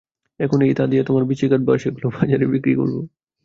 এখন এই দা দিয়ে তোমার বিচি কাটবো আর সেগুলো বাজারে বিক্রি করবো।